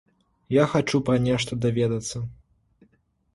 Я хачу пра нешта даведацца.